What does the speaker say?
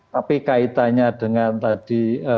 tapi kaitannya dengan tadi